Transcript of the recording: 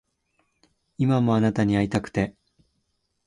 今もあなたに逢いたくて